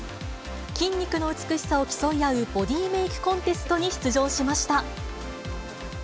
筋肉の美しさを競い合うボディメイクコンテストに出場しました。